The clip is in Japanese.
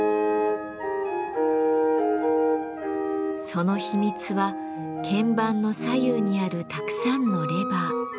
その秘密は鍵盤の左右にあるたくさんのレバー。